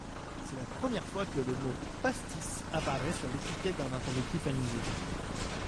C'est la première fois que le mot pastis apparaît sur l'étiquette d'un apéritif anisé.